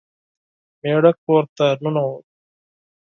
سړی کور ته ننوت.